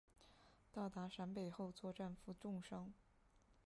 到达陕北后作战负重伤。